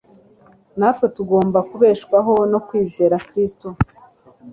natwe tugomba kubeshwaho no kwizera Kristo.